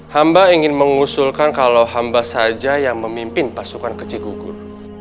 hamba ingin mengusulkan kalau hamba saja yang memimpin pasukan ke cigugur